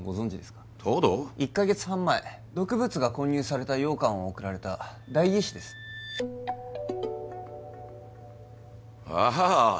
１カ月半前毒物が混入された羊羹を送られた代議士ですああ